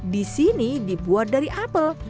di sini dibuat dari apel